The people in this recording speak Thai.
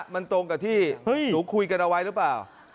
มันตรงกับที่หนูคุยกันเอาไว้หรือเปล่า